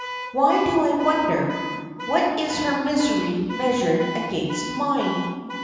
"Why do I wonder? What is her misery measured against mine?"